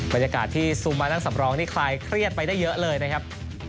บรรยากาศที่ซูมมานั่งสำรองนี่คลายเครียดไปได้เยอะเลยนะครับ